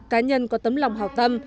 cá nhân có tấm lòng hào tâm